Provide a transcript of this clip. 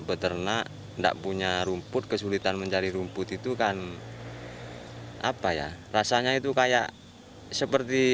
beternak enggak punya rumput kesulitan mencari rumput itu kan apa ya rasanya itu kayak seperti